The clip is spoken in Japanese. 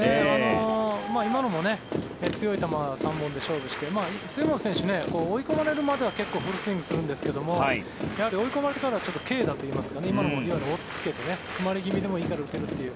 今のも強い球３本で勝負して杉本選手追い込まれるまでは結構フルスイングするんですが追い込まれてからは軽打といいますか今のもおっつけて詰まり気味でもいいから打てるという。